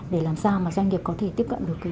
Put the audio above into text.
để làm sao mà doanh nghiệp có thể tiếp cận được